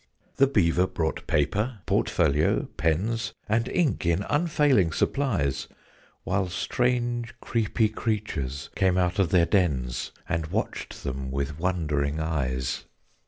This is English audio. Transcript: The Beaver brought paper, portfolio, pens, And ink in unfailing supplies: While strange creepy creatures came out of their dens, And watched them with wondering eyes.